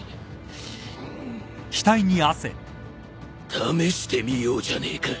試してみようじゃねえか。